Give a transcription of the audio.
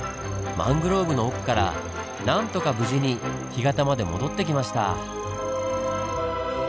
マングローブの奥からなんとか無事に干潟まで戻ってきました。